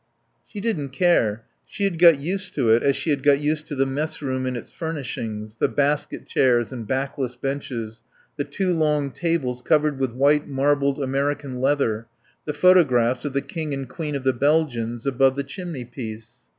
She didn't care. She had got used to it as she had got used to the messroom and its furnishings, the basket chairs and backless benches, the two long tables covered with white marbled American leather, the photographs of the King and Queen of the Belgians above the chimney piece.